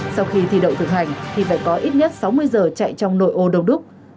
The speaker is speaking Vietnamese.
sau khi thi đậu thực hành thì phải có ít nhất sáu mươi giờ chạy trong nội ô đông đúc